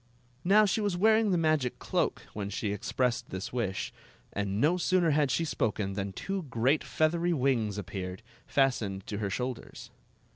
Now she was wearing the magic cloak when she expressed this wish, and no sooner had she spoken than two great feathery wings appeared, fastened to her shoulders.